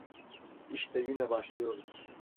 İşte yine başlıyoruz.